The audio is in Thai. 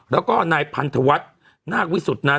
แล้วก็นายพันธวัฒน์นาควิสุทธิ์นั้น